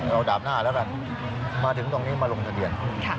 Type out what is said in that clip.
เอาดาบหน้าแล้วกันมาถึงตรงนี้มาลงทะเบียน